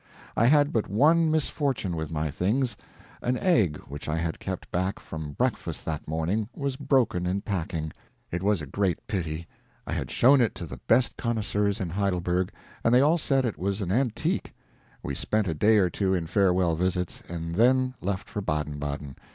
I had but one misfortune with my things. An egg which I had kept back from breakfast that morning, was broken in packing. It was a great pity. I had shown it to the best connoisseurs in Heidelberg, and they all said it was an antique. We spent a day or two in farewell visits, and then left for Baden Baden.